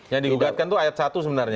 yang digugatkan itu ayat satu sebenarnya